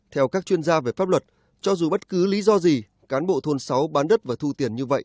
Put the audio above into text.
theo các chuyên gia về pháp luật cho dù bất cứ lý do gì cán bộ thôn sáu bán đất và thu tiền như vậy